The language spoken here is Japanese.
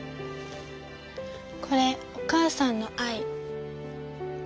これお母さんの愛。